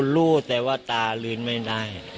รู้แต่ว่าตาลืนไม่ได้